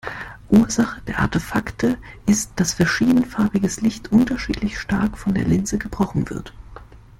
Ursache der Artefakte ist, dass verschiedenfarbiges Licht unterschiedlich stark von der Linse gebrochen wird.